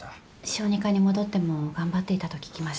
小児科に戻っても頑張っていたと聞きました。